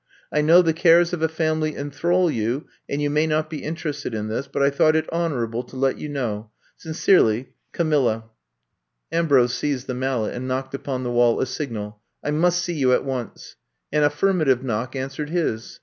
I know the cares of a family enthrall you and you may not be interested in this, but I thought it honorable to let you know. Sincerely, ^^Camhja." 98 I'VE COMB TO STAY Ambrose seized the mallet and knocked upon the wall a signal: I must see you at once.'' An aflSrmative knock answered his.